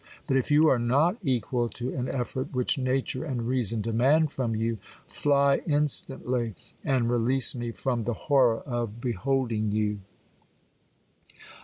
But if you are not equal to an effort, which nature and reason demand from you, fly instantly, and release me from the horror of beholding you.